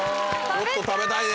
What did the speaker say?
ちょっと食べたいね！